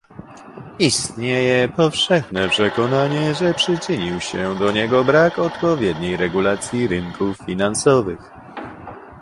Istnieje powszechne przekonanie, że przyczynił się do niego brak odpowiedniej regulacji rynków finansowych